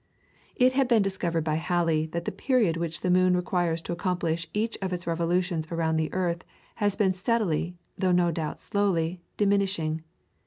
It had been discovered by Halley that the period which the moon requires to accomplish each of its revolutions around the earth has been steadily, though no doubt slowly, diminishing.